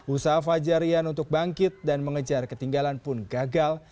usaha fajarian untuk bangkit dan mengejar ketinggalan pun gagal